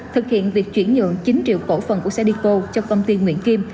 thực hiện việc chuyển nhượng chín triệu cổ phần của sadeco cho công ty nguyễn kim